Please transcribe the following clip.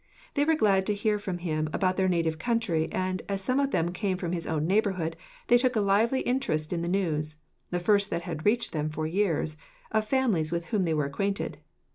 They were glad to hear from him about their native country; and, as some of them came from his own neighbourhood, they took a lively interest in the news the first that had reached them for years of families with whom they were acquainted.